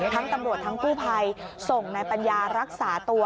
ทั้งตำรวจทั้งกู้ภัยส่งนายปัญญารักษาตัว